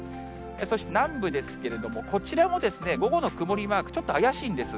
そして南部ですけれども、こちらも、午後の曇りマーク、ちょっと怪しいんです。